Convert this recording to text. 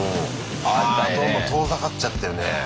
どんどん遠ざかっちゃってるね。